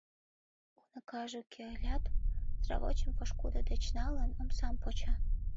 Уныкаже уке ылят, сравочым пошкудо деч налын, омсам почо.